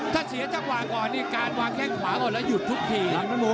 ถ้าเสียจังหว่างก่อนนี่การวางแค่งขวาหมดแล้วหยุดทุกที